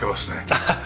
ハハハハ。